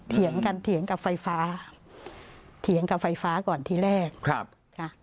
เถียงกันเถียงกับไฟฟ้าเถียงกับไฟฟ้าก่อนที่แรกครับค่ะ